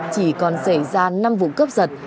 chỉ còn xảy ra năm vụ cấp giật